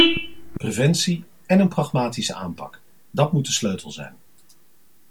Preventie en een pragmatische aanpak, dat moet de sleutel zijn.